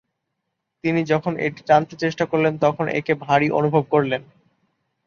তিনি যখন এটি টানতে চেষ্টা করলেন তখন একে ভারী অনুভব করলেন।